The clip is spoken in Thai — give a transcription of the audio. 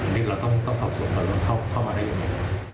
อันนี้เราต้องสอบสวนเขาเข้ามาได้ยังไง